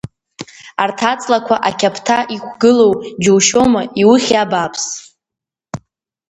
Арҭ аҵлақәа ақьаԥҭа иқә-гылоу џьушьома, иухьи абааԥс!